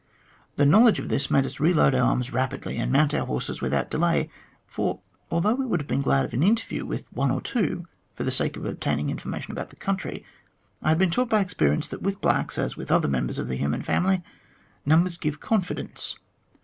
The know ledge of this made us reload our arms rapidly and mount our horses without delay, for although we would have been glad of an interview with one or two for the sake of obtaining informa tion about the country, I had been taught by experience that with blacks, as with other members of the human family, numbers give confidence.